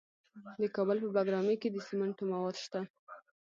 د کابل په بګرامي کې د سمنټو مواد شته.